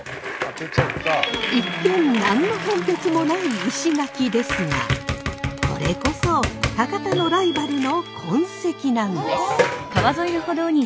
一見何の変哲もない石垣ですがこれこそ博多のライバルの痕跡なんです。